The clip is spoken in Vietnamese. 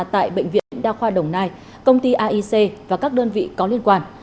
tại bệnh viện đa khoa đồng nai công ty aic và các đơn vị có liên quan